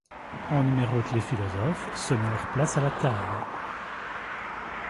On numérote les philosophes selon leur place à la table.